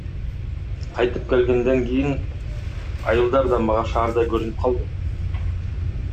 Кайтып келгенден кийин айылдар да мага шаардай көрүнүп калды.